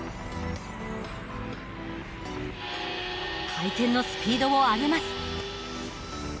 回転のスピードを上げます。